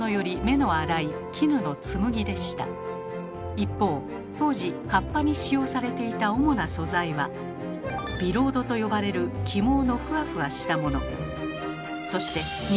一方当時かっぱに使用されていた主な素材は「天鵞絨」と呼ばれる起毛のふわふわしたもの。